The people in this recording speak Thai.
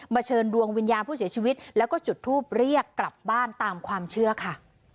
เชิญดวงวิญญาณผู้เสียชีวิตแล้วก็จุดทูปเรียกกลับบ้านตามความเชื่อค่ะ